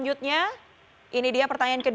jadi biasanya pasien banget